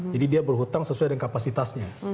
jadi dia berhutang sesuai dengan kapasitasnya